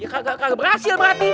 ya kagak berhasil berarti